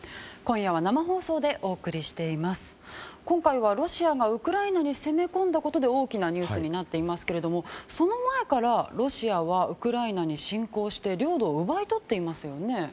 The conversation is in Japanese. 今回はロシアがウクライナに攻め込んだことで大きなニュースになっていますけどその前からロシアはウクライナに侵攻して領土を奪い取っていますよね。